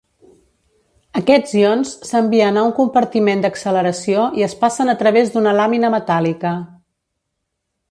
Aquests ions s'envien a un compartiment d'acceleració i es passen a través d'una làmina metàl·lica.